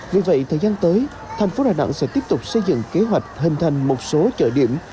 vì vậy thời gian tới thành phố đà nẵng sẽ tiếp tục xây dựng kế hoạch hình thành một số chợ điểm